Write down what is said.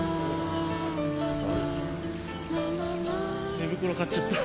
寝袋買っちゃった。